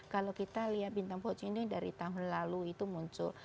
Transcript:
kalau kita lihat bintang voc ini dari tahun lalu itu muncul